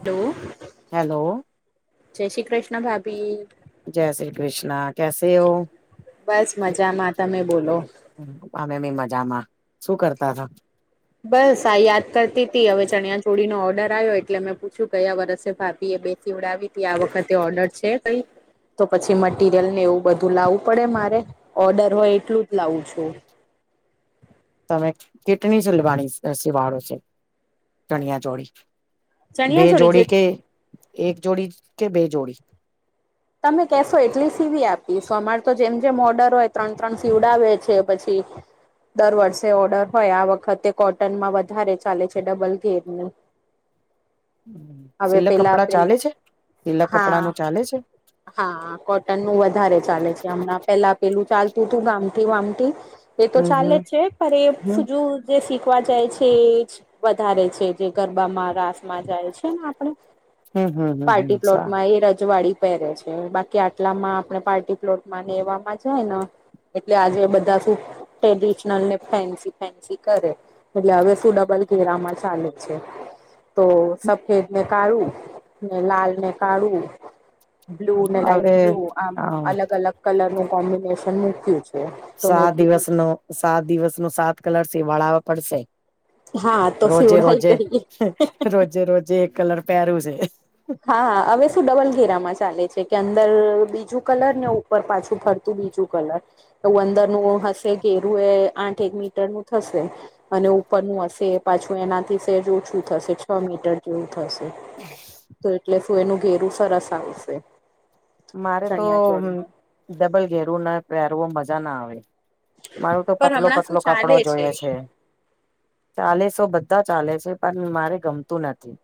Hello hello જય શ્રી કૃષ્ણ ભાભી જય શ્રી કૃષ્ણ કસે હો બસ મજામાં. તમે બોલો? અમે બી મજામાં. શું કરતા હતા? બસ આ યાદ કરતી. હવે ચણિયા-ચોળીનો ઓર્ડર આવ્યો, એટલે મેં પૂછ્યું, કયા વર્ષે ભાભીએ બે? ચીવડાવી હતી આ વખતે ઓર્ડર છે કઈ તો પછી મટીિરિયલ ને એવું બધું લાવવું પડે મારે ઓર્ડર હોય એટલું જ લાવું છું તમે કેટણી સલવાની સિવાળો છે ચણિયા ચોળી બે ચણિયા છોડી જે જોડી કે એક જોડી કે બે જોડી તમે કહેશો એટલી સીવી આપીશો અમારે તો જેમ જેમ ઓર્ડર હોય ત્રણ ત્રણ સીવડાવે છે પછી દર વર્ષે ઓર્ડર હોય આ વખતે કોટનમાં વધારે ચાલે છે ડબલ ગેરની હવે સિલક પેલા કપડા ચાલે પેલા છે સિલક હા કપડા નું ચાલે છે હા કોટન નું વધારે ચાલે છે હમણાં પેલા પેલું ચાલતું હતું ગામથી વામથી એ તો હમ ચાલે હમ જ છે પણ હમ એ તજું જે શીખવા જાય છે એ વધારે છે જે ગરબામાં રાસ માં જાય છે ને આપણે હમ હમ હમ હમ પાર્ટી પ્લોટ સા માં એ રજવાડી પહેરે છે. બાકી આટલામાં આપણે પાર્ટી પ્લોટમાંને એવામાં જાય ને, એટલે આજે બધા શું? ટ્રેડિશનલ ને ફેન્સી ફેન્સી કરે. એટલે હવે શું, ડબલ ઘેરામાં ચાલે છે. તો સબ ખેતને કાઢું, લાલને કાઢું. બ્લુ ને લાઈટ હવે બ્લુ, આમ હ અલગ અલગ કલર નું કોમ્બિનેશન મૂકયું છે. તો મેં સાત કીધું દિવસનો, સાત દિવસનો, સાત કલર બનાવવા પડશે. હા તો રોજે સીવડાઈ રોજે, દઈએ રોજે રોજે, એક કલર પહેરું છે. હા, હા. હવે શું, ડબલ ઘેરામાં ચાલે છે કે અંદર બીજું કલર ને ઉપર પાછું ફરું. બીજું કલર તો અંદરનું હશે. ઘેરું એ આઠ-એક મીટર નું થશે. અને ઉપરનું હશે, પાછું એનાથી સેજ ઓછું થશે. છ મીટર જેવું થશે. હમ. એટલે શું, એનું ઘેરું સરસ આવશે. મારે તો ચણિયા ચોળીમાં ડબલ ઘેરવું ના પહેરવો, મજા ના આવે. મારું તો પણ હમણાં શું પતલો-પતલો કપડો ચાલે જોઈએ છે. ચાલેસો બધા ચાલે છે, પણ મારે ગમતું નથી.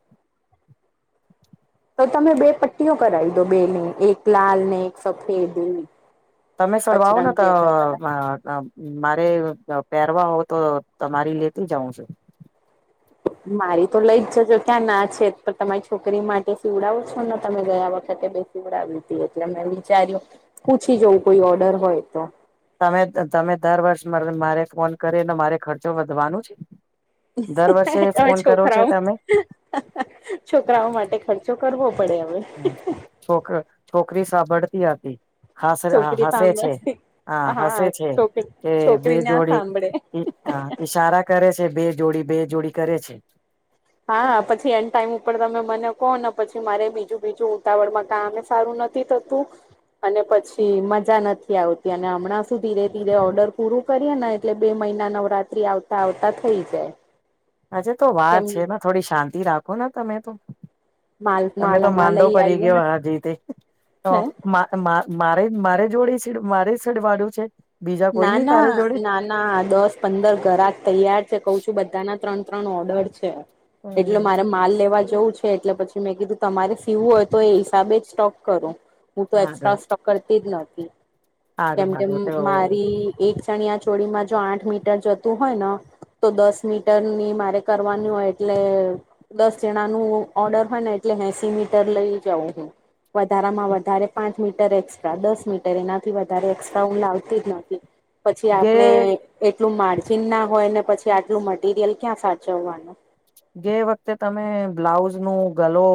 તો તમે બે પટ્ટીઓ કરાવી દો, બે ની એક લાલ ને એક સફેદ. તમે સરળવાવો ને તો. પચરંગી અલગ અલગ મારે પહેરવા હોય તો તમારી લેતી જઉં છું. મારી તો લઈ જજો, ક્યાં ના છે? પણ તમારી છોકરી માટે સીવડાવો છો ને, તમે ગયા વખતે બે સીવડાવી હતી, એટલે મેં વિચાર્યું, પૂછી જવું, કોઈ ઓર્ડર હોય તો. તમે, તમે દર વર્ષ મારે ફોન કરીને, મારે ખર્ચો વધવાનું છે. દર વર્ષે ફોન કરો છો છોકરાઓ. તમે છોકરાઓ માટે ખર્ચો કરવો પડે, હવે. હમ, છોક છોકરી સાંભળતી આતી. હ, હા, છોકરી હસે છે. સાંભળે હા, હસે છે છોકરી કે બે છોકરી ના જોડી. સાંભળે હ, ઇશારા કરે છે. બે જોડી, બે જોડી કરે છે. હા, પછી એન્ડ ટાઈમ ઉપર તમે મને કહો ને, પછી મારે બીજું- બીજું ઉતાવળ માં કામ. મે સારું નથી. થતું. અને પછી મજા નથી આવતી. અને હમણાં શું, ધીરે- ધીરે ઓર્ડર પૂરું. કરીએ ને. એટલે બે મહિના, નવરાત્રી આવતા-આવતા થઈ જાય. હજે તો વાર કેમ છે. એમાં થોડી શાંતિ રાખોને, તમે તો. માલ તમે માલ તો હમણાં માંડો લઈ પરી આવીએ ગયો, ને આજ રીતે તો. હે મા મારી જોડે. મારે સડવાનું છે. બીજા ના નથી ના તારા જોડે. ના ના, દસ-પંદર ઘરે તૈયાર છે, કઉ છું. બધા ના ત્રણ-ત્રણ ઓર્ડર છે. એટલે હમ મારે માલ લેવા જવું છે. છે એટલે પછી મેં કીધું તમારે ફીવું હોય તો એ હિસાબે જ સ્ટોક કરો હું તો એક્સ્ટ્રા સારું સ્ટોક કરતી જ નોતી સારું કેમ કે સારું તો મા એક ચણિયા ચોળમાં જો આઠ મીટર જતું હોય ને તો દસ મીટર ની મારે કરવાની હોય એટલે દસ જણા નો ઓર્ડર હોય ને, એટલે એસી મીટર લઈ જઉં હું. વધારા માં વધારે પાંચ મીટર એક્સ્ટ્રા, દસ મીટર, એનાથી વધારે એક્સ્ટ્રા હું લાવતી જ નથી. પછી જે આપણે એટલું માર્જિન ના હોય ને, પછી આટલું મટીરિયલ ક્યાં સાચવવાનું? ગ વખતે તમે બ્લાઉઝ નું ગલો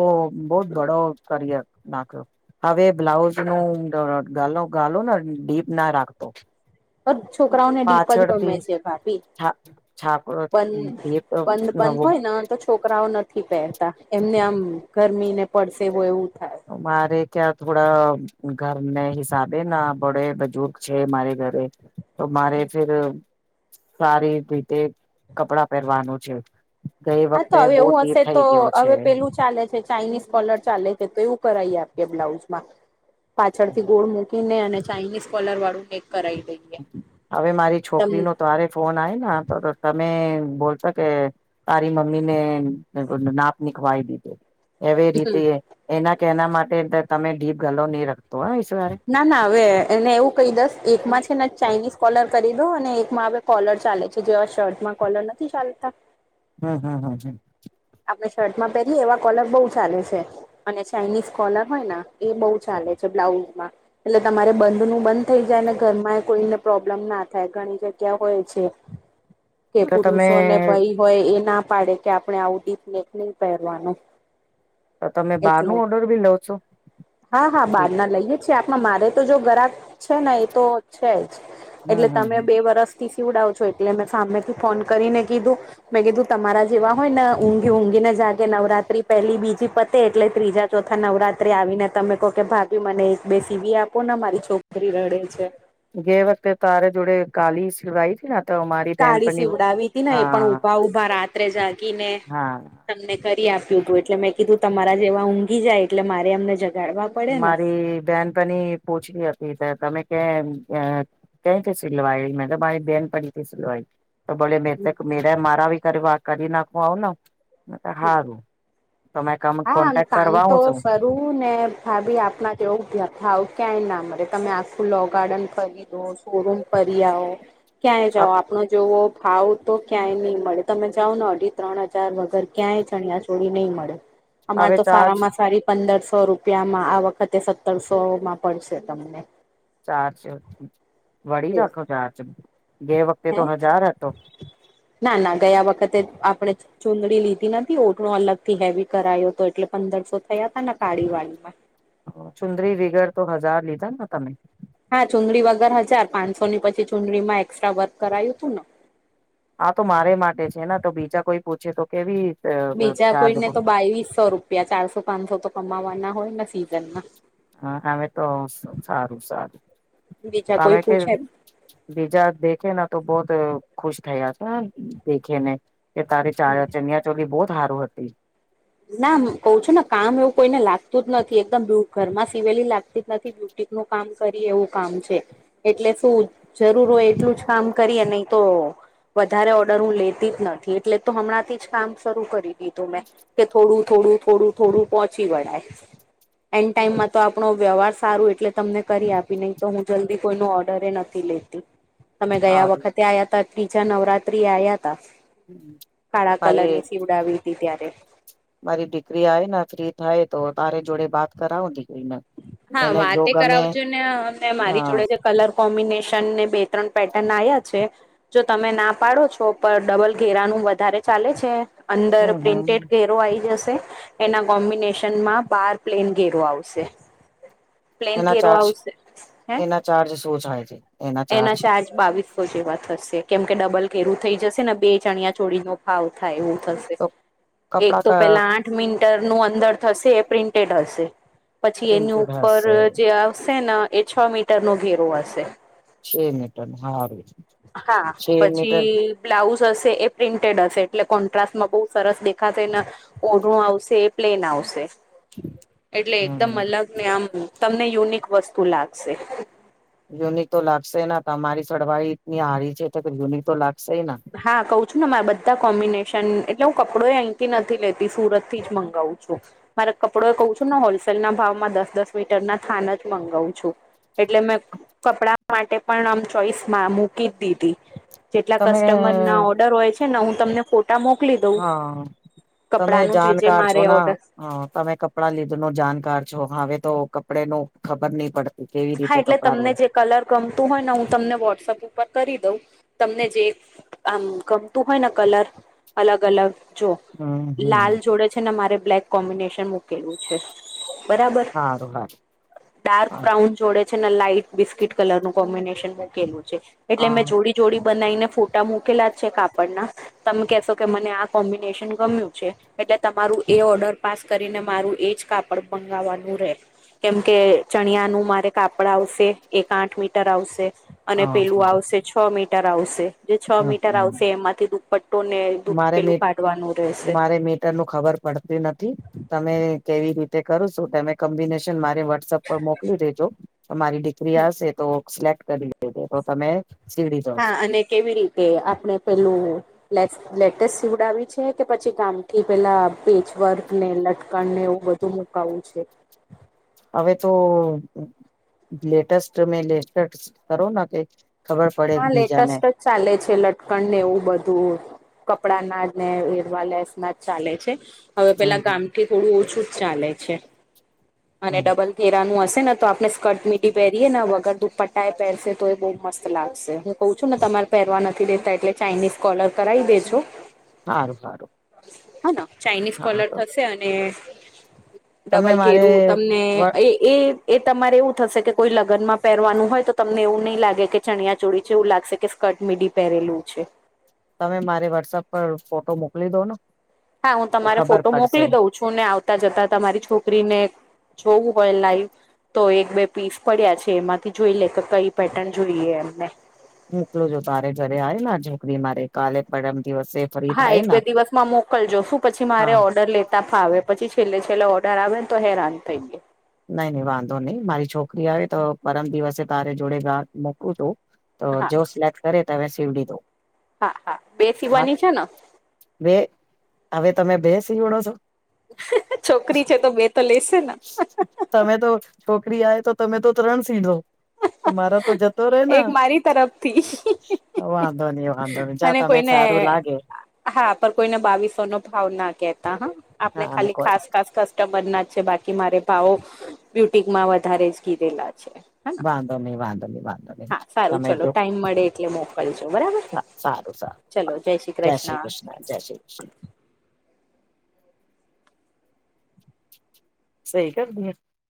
બો જ ભડો કર્યા. નાખ્યો. હવે બ્લાઉઝ નું ગાલો ને ડીપ ના રાખતો. છોકરાઓને ડીપ જ પાછળથી ગમે છે, ભાભી. છા છાપ બંધ, એ તો બંધ, બંધ હોયને, તો. છોકરાઓ નથી પહેરતા. એમને આમ ગરમીને પડસે હો, એવું થાય. મારે ક્યાં થોડા ઘરને હિસાબે? ના, બડે બજુર્ગ છે મારે ઘરે. તો મારે ફેર સારી રીતે કપડા પહેરવાનું છે. ગઈ હા, તો વખતે હવે બહુ એવું ડીપ હશે, તો થઈ ગયો છે હવે પેલું ચાલે છે. ચાાઈનીઝ કોલર ચાલે છે, તો એવું કરાવએ. આપે બ્લાઉઝમાં પાછળથી ગોળ મૂકી. પીને અને ચાઇનીઝ કોલર વાળું કેેક કરાવી દઈ હવે મારી છોકરી નો તરે ફોન આવીને તો તમે બોલશો કે તારી મમ્મીને નાપ નીખવાય દીધુ એવી રીતે એના કે એના માટે તમે ડીપ ગલો નહી રખતો હ સવારે ના ના હવે એને એવું કહી દસ એકમાં છે ને ચાઇનીઝ કોલર કરી દો અને એકમાં હ કોલર ચાલે છે જેવા શર્ટમાં કોલર નથી ચાલતા હમ હમ હમ હમ આપડણે શર્ટમાં પહેરીએ એવા કોલર બહુ સલેુ છે અને ચાઇનીઝ કોલર હોય ને એ બહુ ચાલે છે બ્લાઉઝમાં એટલે તમારે બંધ નું બંધ થઈ જાય ને ઘરમાં કોઈને પ્રોબ્લેમ ના થાય ઘણી જગ્યા હોય છે કે તો તમે પુરુષો અને ભાઈ હોય એ ના પાડે કે આપણે આવું ીપનેક નહી પહેરવાનું તો તમે બહાર ન એટલે ઓર્ડર ભી લવ છો હા હા હમ બદ ના લઈએે છીએ આપણા મારે તો જો ગરાક છે ને એ તો છે જ એટલે હમ તમે હમ. બે વરસથી સીવડાવ છો એટલે મેં સામેથી ફોન કરીને કીધું મેં કીધું તમારા જેવા હોય ને ઊંઘી ઊંઘી ને જાગે નવરાત્રી પહેલી બીજી પતે એટલે ત્રીજા ચોથા નવરાત્રી આવીને તમે કહો કે ભાભી મને એક બે સીવી આપો ને મારી છોકરી રડે છે જે વખતે તારે જોડે કાલી સિડવાઈ હતી ના કાળી સીવડાવી તી ને એ પણ ઉભા ઉઊભા રાત્રે જાગી ને હા તમને કરી આપ્યું હતું એટલે મેં કીધું તમારા જેવા ઊંઘી જાય એટલે મારે અમને જગાડવા પડે ને મારી બેહેન પણની પૂછલી હતી તમે કે કઈથી સિલવાયલ મેં તો મારી બેન પણથી સિલવા તો બોલે મેરે ત મેરા મારાાી કાર વા કરી નાખઓ ના હારું તમે ક કોન્ટેક્ટ કરવા આવ છ રું ને ભાાવી આપણા કેવું ધ્યાન હાવ ક્યાંય ના મરે તમે આખું લો ગાર્ડન ખરીદો શોરૂમ ફરી આવો ક્યાંય જાઓ આપણો જોવો ભાવ તો ક્યાંય નહી મળે તમે જાઓ ને અઢી ત્રણ હજાર વગર ક્યાંય ચણિયા ચોળ નહી મળે અમારે હવે તો ચાર્જ સારામાં સારી પંદરસો રૂપિયામાં આ વખતે સત્તરસોમાં પડશે તમને ચાર ચ વડી એવું રાખો ચાર ચ ગે વખતે હે તો હજાર એતો ના ના ગયા વખતે આપણે ચુંદડી લીધી નથી ઓટળું અલગ થી હેવી કરાયો તો એટલે પંદરસો થયા ત કાળી વાળીમાં ચુંદરી વિગર તો હજાર લીધા ને તમે હા ચુંડડી વગર હજાર પાંચસો ની પછી ચુંડડીમાં એકક્સ્ટ્રા વર્ક કરાયું હતું ને આ તો મારે માટે છે ને તો બીજા કોઈ પૂછે તો કેવી બીજા ચાર્જ કોઈને તો બાવીસસો રૂપિયા ચારસો પાંચસો તો કમાવાના હોય ને સિઝનમાં હા અમે તો સારું સારું બીજા તમે કોઈ કે પૂછે બીજા દેખે તો બહત ખુશ થયા છે દેખેને કે તારી ચ ચનિયા ચોલી બહુત સારું હતી ના કઉ છું ને કામ એવું કોઈને લાગતું જ નથી એકદમ બ ઘરમાં સિવેલી લાગતી જ નથી બ નું કામ કરી એવું કામ છે એટલે શું જરૂર હોય એટલું જ કામ કરીએ. નહી તો વધારે ઓર્ડર હું લેતી જ નથી. એટલે તો હમણાંથી જ કામ શરૂ કરી દીધું મેં. કે થોડું થોડું થોડું થોડું પોહોંચી વળાય એન્ડ ટાઈમમાં તો આપણો વ્યવહાર સારું એટલે તમને કરી આપી નહી તો હું જલ્દી કોઈનો ઓર્ડરે એ નથી લે તમે ગયા હારું વખતે આ્યા ત ત્રીજા નવરાત્રી આવયા ત કાળા કલર તારી ની સીવડાવી હતી ત્યારે મારી દીકરી આવે ને ફ્રી થાય તો તારે જોડે બાત કરાવો દીકરીને. હા એને જો વાતે ગમે કરાવજું ને અમને મારી હા જોડે જ કલર કોમ્બિનેશન ને બે ત્રણ પેટર્ન આવ્યા છે. જો તમે ના પાડો છો પર ડબલ ઘેરાનું વધારે ચાલે છે. અંદર હમ હમ પ્રિન્ટેડ ઘેરો આ આવી જશે. એના કોમ્બિનેશન માં બાર પ્લેન ઘેરો આવશે. પ્લેન એના ઘેરો ચાર્જ આવશે હે એના ચાર્જ સોચ હોય છે. એના ચાર્જ. બાવીસો જેવા થશે કેમ કે ડબલ ઘેરું થઈ જશે ને બે ચણિયા ચોળ નો ભાવ થાય એવું થશે. તો એક કપડા તો કા પેલા આઠ મિટર નું અંદર થશે એ પ્રિન્ટેડ હશે. પછી એની પ્રિન્ટેડ ઉપર હશે જે આવશે ને એ છ મીટરનોો ઘેરો હશે. છ મિટ હા ર. હા પછી. બ્લાઉઝ હશે એ પ્રિન્ટેડ હશે એટલે કોન્ટ્રાસ્ટમાં બહુ સરસ દેખાશે ને. ઓનુંું આવશે પ્લેન આવશે. એટલે એકદમ હમ અલગ ને આમ તમને યુનિક વસ્તુ લાગશે. યુનિ તો લાગશે તમારી સળવાળ ટની હારી છે તો યુનિ તો લાગશે. હા કઉું છું ને મારા બધા કોમ્બિનેશન એટલે હું કપડો અંકી નથી લેતી સુરત થી જ મંગાવું છું. મારે કપડો એ કહું છું ને હોલસેલ ના ભાવમાં દસ દસ મીટર ના થાન જ મગાવું છું. એટલે મેં કપડા માટે પણ આમ ચોઈસ મૂકી જ દીધી જેટલા ક તમે ઓર્ડર હોય છે ને હું તમને ફોટા મોકલી દઉં હા તમે કપડા નું જે જે જાણકાર છો મારે ના ઓર્ડર હા તમે કપડાં લીધ ન જાણકાર છો હવે તો કપડે નું ખબર નહી પડ. હા એટલે તમને જે કલર ગમતું હોય ને હું તમને વોટ્સઅપ ઉપર કરી દઉં. તમને જે આમ ગમતું હોય ને કલર અલગ અલગ જો હમ હમ લાલ જોડે છે ને મારે બ્લેક કોમ્બિનેશન મૂકેલું છે બરાબર સારું સારું ડાર્ક સારું બ્રાઉન જોડે છે ને લાઈટ બિસ્કીટ કલર નું કોમ્બિનેશન મેં કેલું છે. એટલે મેં હા જોડી જોડી બનાવીને ફોટા મૂકેલા છે કાપડના. તમે કશો કે મને આ કોમ્બિનેશન ગમ્યું છે. એટલે તમારું એ ઓર્ડર પાસ કરીને મારું એજ કાપડ મંગાવવાનું રહેે. કેમ કે ચણિયા નું મારે. કાપડ આવશે એક આઠ મીટર આવશે અને હા પેલું સારું આવશે છ મીટર આવશે. જે છ હમ મીટર હમ આવશે એમાંથી દુપપટ્ટો ને દુ મારે પેલું મી કાઢવાનું રહેશે. મારે મીટર ખબર પડતી નથી તમે કેવી રીતે કર છો. તમે કોમ્બિને મારે વોટ્સઅપ પર મોકલી દેજો મારી દીકરી આવશે તો સિલેક્ટ કરી દ તો તમે સીડી જાવ હા છો અને કેવી રીતે આપડણે પેલું લ. લેટેસ્ટ સીવડ આવી છે કે પછી કામ થી પેલા પેચવર્ક ને લટકણને એવું બધું. તો મુકાવું છે. હવે તો લેટસ્ટ મે લેટસ કરોના કે. ખબર પડે હા બીજાને લેટેસ્ટ જ ચાલે છે લટકણ ને એવું બધું કપડા ના ને હેરવા લેસ ના જ ચાલે છે. હવે પેલા હમ ગામથી થોડું ઓછું જ ચાલે છે. અને હમ ડબલ હેરાનું હશે ને તો આપણે સ્કર્ટ મીટીી પહેરીયે ને વગર દુધપટા એ પહેરશે તો એ બહુ મસ્ત લાગશે. કઉ છું ને તમારે પહેરવા નથી દેતા એટલે ચાાઈનીઝ કોલર કરાવી દેજો. હારું હારું. હા ના ચાાઈનીઝ કોલર થશે અને તમે ડબલ મારે ઘરું તમને એ. એ એ તમારે એવું થશે કે કોઈ લગ્નમાં પહેરવાનું હોય તો તમને એવું નહીં લાગે કે ચણિયા ચોળ છે. વું લાગશે કે કટમીડી પહેરેલું છે. તમે મારે વોટ્સઅપ પર ફોટો મોકલી દો ને. હા હું તો તમારે ખબર ફોટો પડશે મોકલી દઉં છું ને આવતા જતા તમારી છોકરીને. જોવું હોય લાઈવ. તો એક બે પીસ પડ્યા છે એમાંથી જોઈ લે કે કઈ પેટર્ન જોઈએ એમને. મોકલો જો તારે ઘરે આવેલા છોકરી મારે કાલે પરમ દિવસે. ફરી હા થાય એક ને બે દિવસમાં મોકલજો શું પછી મારે હા ઓર્ડર લેતા. તા ફાવે પછી છેલ્લે છેલ્લે ઓર્ડર આવે ને તો હેરાન થઈ જાય. નઈ નઈ વાંધો નઈ મારી છોકરી આવે તો પરમ દિવસે તારે જોડે ઘર મોકલુ છું. તો હા જો સિલેક્ટ કરે તવે સીવડી દો. હા હા બે હા સીવાની છે ને. બે હવે તમે બે સીવડો છો. છોકરી છે તો બે તો લેશે ને. તમે તો છોકરી આય તો તમે તો ત્રણ સીધો. તો મારા તો જતો રહેે ને. એક મારી તરફથી વાંધોની વાંધોની જા અને તમે કોઈને સારું લાગે. હા પર કોઈને બાવીસોનો ભાવ ના કેતા હા આપણે હા ખાલી કોઈ ખાસ ખાસ. રબરના છે બાકી મારે ભાવો બ્યુટિકમાં વધારે જ કીધેલા છે. હેના વાંધો નઈ વાંધો નઈ વાંધો ની હા સારું તમે ચલો જો ટાઈમ મળે એટલે મોકલજો બરાબર સારું સારું. જય શ્રી કૃષ્ણ જય શ્રી કૃષ્ણ. સઈ કર દીયે.